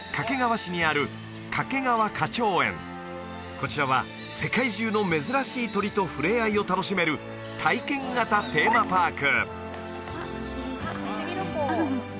こちらは世界中の珍しい鳥と触れ合いを楽しめる体験型テーマパーク